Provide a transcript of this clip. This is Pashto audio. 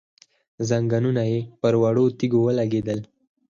ځنګنونه يې پر وړو تيږو ولګېدل،